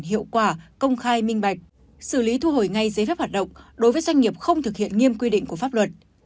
hiệu quả công khai minh bạch xử lý thu hồi ngay giấy phép hoạt động đối với doanh nghiệp không thực hiện nghiêm quy định của pháp luật